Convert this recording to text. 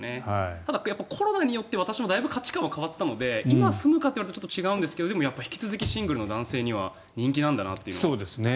ただ、コロナによって価値観は変わっているので今、住むかというと違いますが引き続きシングルの男性には人気なんだなというのを。